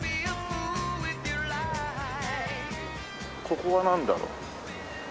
ここはなんだろう？